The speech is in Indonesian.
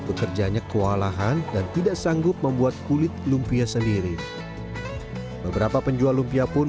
pekerjanya kewalahan dan tidak sanggup membuat kulit lumpia sendiri beberapa penjual lumpia pun